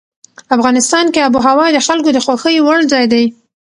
افغانستان کې آب وهوا د خلکو د خوښې وړ ځای دی.